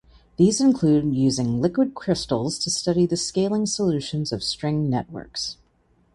These include using liquid crystals to study the scaling solutions of string networks.